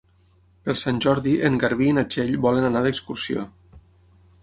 Per Sant Jordi en Garbí i na Txell volen anar d'excursió.